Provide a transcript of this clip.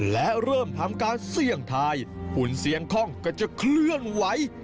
และเริ่มทำการเสี่ยงทายหุ่นเสี่ยงคล่องก็จะเคลื่อนไหว